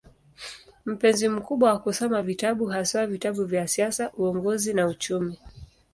Mpenzi mkubwa wa kusoma vitabu, haswa vitabu vya siasa, uongozi na uchumi.